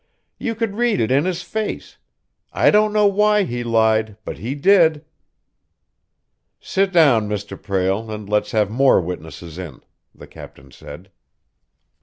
"You could read it in his face! I don't know why he lied, but he did!" "Sit down, Mr. Prale, and let's have more witnesses in," the captain said.